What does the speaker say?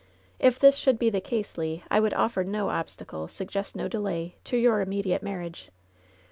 If this should be the case, Le, I would offer no obstacle, suggest no delay, to your immediate marriage.